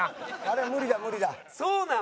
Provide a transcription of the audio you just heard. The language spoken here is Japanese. あれ無理だ無理だ。